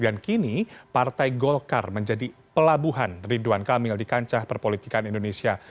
dan kini partai golkar menjadi pelabuhan ridwan kamil di kancah perpolitikan indonesia